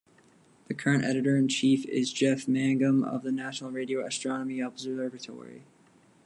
The current editor-in-chief is Jeff Mangum of the National Radio Astronomy Observatory.